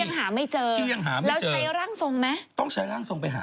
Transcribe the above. ที่ยังหาไม่เจอแล้วใช้ร่างทรงไหมต้องใช้ร่างทรงไปหา